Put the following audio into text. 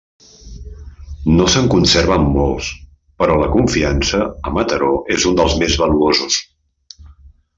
No se'n conserven molts, però La Confiança, a Mataró, és un dels més valuosos.